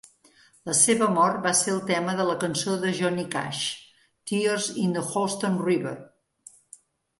La seva mort va ser el tema de la cançó de Johnny Cash "Tears in the Holston River".